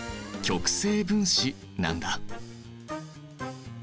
極性分子なんだ。